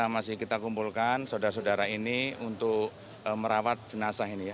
masih kita kumpulkan saudara saudara ini untuk merawat jenazah ini ya